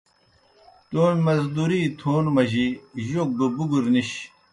تومیْ مزدوری تھون مجیْ جوک گہ بُگر نِش۔